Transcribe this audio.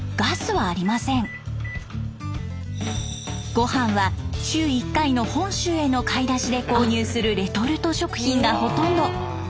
ごはんは週１回の本州への買い出しで購入するレトルト食品がほとんど。